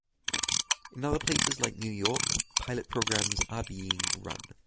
In other places like New York pilot programs are being run.